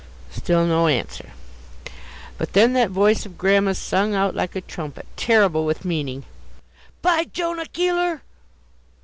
Still no answer. Then that voice of Grandma's sung out like a trumpet, terrible with meaning "Bijonah Keeler!"